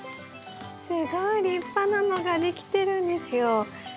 すごい立派なのができてるんですよ。